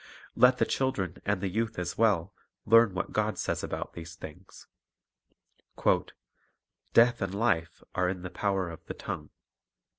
Let the children, and the youth as well, learn what God says about these things :— "Death and life are in the power of the tongue."